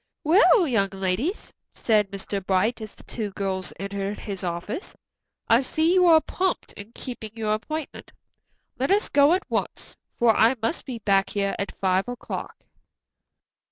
"Well, young ladies," said Mr. Bright, as the two girls entered his office, "I see you are prompt in keeping your appointment. Let us go at once, for I must be back here at five o'clock."